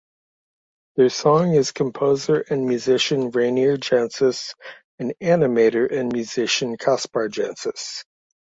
Their song is composer and musician Rainer Jancis and animator and musician Kaspar Jancis.